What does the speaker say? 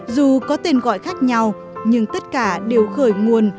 dù có tên gọi khác nhau nhưng tất cả đều khởi nguồn